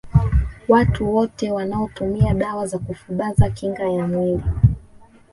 Watu wote wanaotumia dawa za kufubaza kinga ya mwili